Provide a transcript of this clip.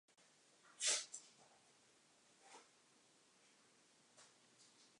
The light engine is an interactive pole that displays colours.